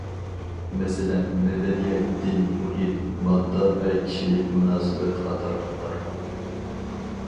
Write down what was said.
مەسىلەن، مەدەنىيەت، دىن، مۇھىت، ماددا ۋە كىشىلىك مۇناسىۋەت قاتارلىقلار.